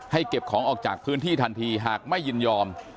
เก็บของออกจากพื้นที่ทันทีหากไม่ยินยอม